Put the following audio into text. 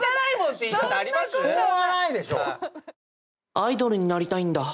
アイドルになりたいんだ。